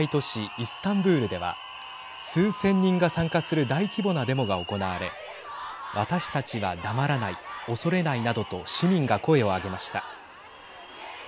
イスタンブールでは数千人が参加する大規模なデモが行われ私たちは黙らない恐れないなどと市民が声を上げました。